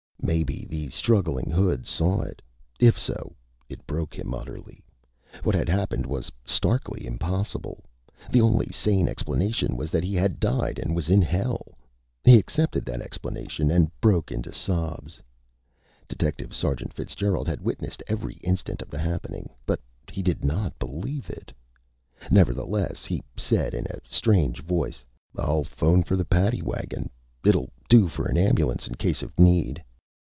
Maybe the struggling hood saw it. If so, it broke him utterly. What had happened was starkly impossible. The only sane explanation was that he had died and was in hell. He accepted that explanation and broke into sobs. Detective Sergeant Fitzgerald had witnessed every instant of the happening, but he did not believe it. Nevertheless, he said in a strange voice: "I'll phone for the paddy wagon. It'll do for a ambulance, in case of need."